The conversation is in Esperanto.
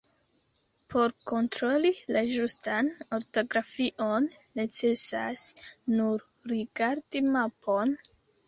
Por kontroli la ĝustan ortografion necesas nur rigardi mapon...